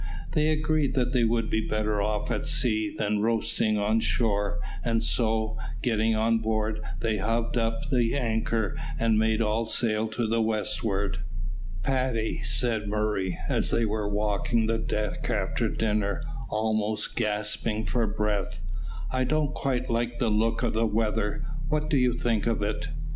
They agreed that they would be better off at sea than roasting on shore, and so, getting on board, they hove up the anchor and made all sail to the westward. "Paddy," said Murray, as they were walking the deck after dinner, almost gasping for breath, "I don't quite like the look of the weather; what do you think of it?"